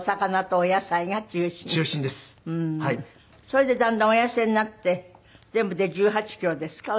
それでだんだんお痩せになって全部で１８キロですか？